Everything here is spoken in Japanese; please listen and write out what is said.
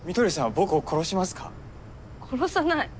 殺さない。